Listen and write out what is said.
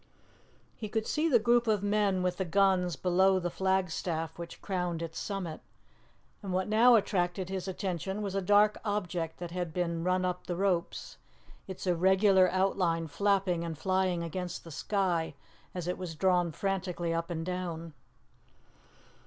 He could see the group of men with the guns below the flagstaff which crowned its summit, and what now attracted his attention was a dark object that had been run up the ropes, its irregular outline flapping and flying against the sky as it was drawn frantically up and down.